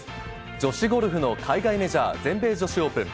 女子ゴルフの海外メジャー、全米女子オープン。